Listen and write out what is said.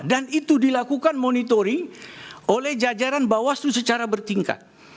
dan itu dilakukan monitoring oleh jajaran bawaslu secara bertingkat